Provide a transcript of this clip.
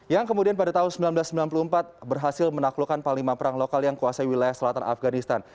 yang kemudian pada tahun seribu sembilan ratus sembilan puluh empat berhasil menaklukkan panglima perang lokal yang kuasai wilayah selatan afganistan